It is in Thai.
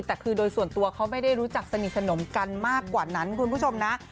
แต่คือโดยส่วนตัวเขาไม่ได้รู้จักสนิทสนมกันมากกว่านั้นคุณผู้ชมนะ